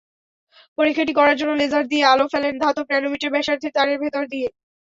পরীক্ষাটি করার জন্য লেজার দিয়ে আলো ফেলেন ধাতব ন্যানোমিটার ব্যাসার্ধের তারের ভেতর দিয়ে।